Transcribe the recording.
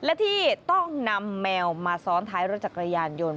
และที่ต้องนำแมวมาซ้อนท้ายรถจักรยานยนต์